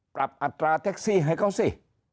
ปรับอัตราแท็กซี่ให้เขาซิ